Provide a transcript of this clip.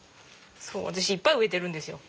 そう私いっぱい植えてるんですよ。